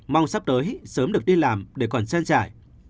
mong sắp tới sớm được đi làm để còn chen chải